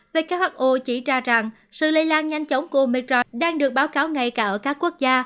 về các who chỉ ra rằng sự lây lan nhanh chóng của omicron đang được báo cáo ngay cả ở các quốc gia